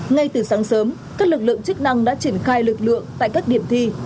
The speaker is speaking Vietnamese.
ngay từ sáng sớm các lực lượng chức năng đã triển khai lực lượng tại các điểm thi